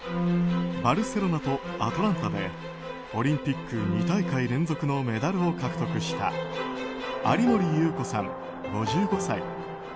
バルセロナとアトランタでオリンピック２大会連続のメダルを獲得した有森裕子さん、５５歳。